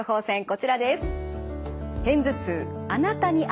こちらです。